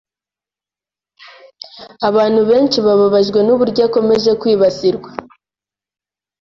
abantu benshi bababajwe n’uburyo akomeje kwibasirwa